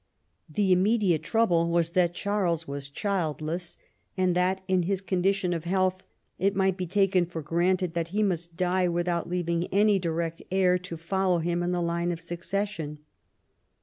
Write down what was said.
The inmiediate trouble was that Charles was childless, and that in his condition of health it might be taken for granted that he must die without leaving any direct heir to follow him in the line of succession.